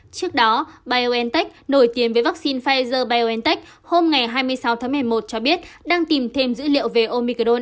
trước đó biontech nổi tiếng với vaccine pfizer biontech hôm hai mươi sáu tháng một mươi một cho biết đang tìm thêm dữ liệu về omicron